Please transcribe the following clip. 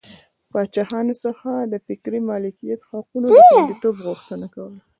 پاچاهانو څخه د فکري مالکیت حقونو د خوندیتوب غوښتنه کوله.